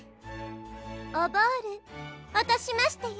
おボールおとしましてよ。